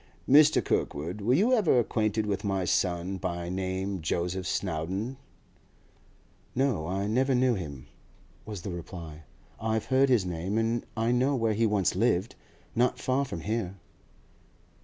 'Mr. Kirkwood, were you ever acquainted with my son, by name Joseph Snowdon?' 'No; I never knew him,' was the reply. 'I have heard his name, and I know where he once lived—not far from here.